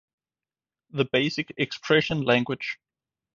the basic expression language